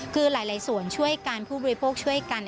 คือหลายส่วนช่วยกันผู้บริโภคช่วยกัน